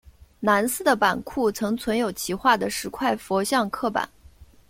南寺的版库曾存有其画的十块佛像刻版。